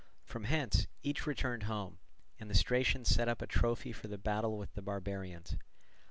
From hence each returned home; and the Stratians set up a trophy for the battle with the barbarians.